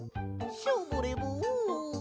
ショボレボン。